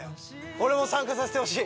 俺も参加させてほしい。